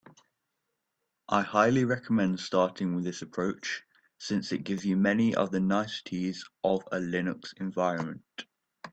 I highly recommend starting with this approach, since it gives you many of the niceties of a Linux environment.